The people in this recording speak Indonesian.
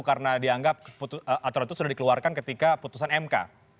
karena dianggap aturan itu sudah dikeluarkan ketika keputusan mk